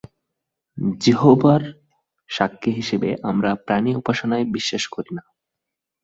যিহোবার সাক্ষি হিসেবে আমরা প্রাণী উপাসনায় বিশ্বাস করি না...